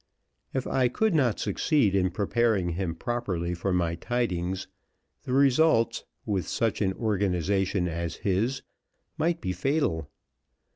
If I could not succeed in preparing him properly for my tidings, the results, with such an organization as his, might be fatal.